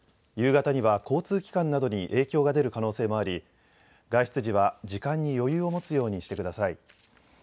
夕方には交通機関などに影響が出る可能性もあり外出時は時間に余裕を持つようにしてください。